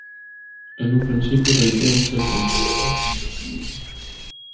En un principio, la idea se consideró insostenible.